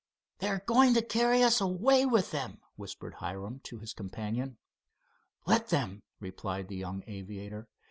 "They are going to carry us away with them," whispered Hiram to his companion. "Let them," replied the young aviator.